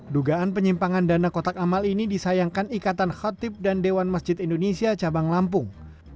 dugaan penyimpangan dana kotak amal ini disayangkan ikatan khotib dan dewan masjid indonesia cabang lampung